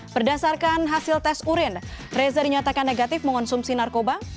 berdasarkan hasil tes urin reza dinyatakan negatif mengonsumsi narkoba